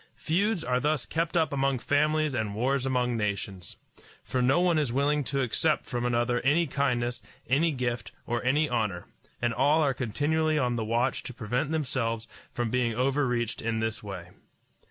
Feuds are thus kept up among families and wars among nations. For no one is willing to accept from another any kindness, any gift, or any honor, and all are continually on the watch to prevent themselves from being overreached in this way.